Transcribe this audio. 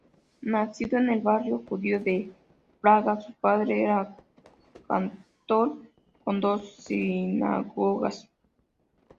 Nacido en el barrio judío de Praga, su padre era cantor en dos sinagogas.